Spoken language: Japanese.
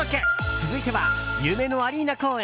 続いては夢のアリーナ公演。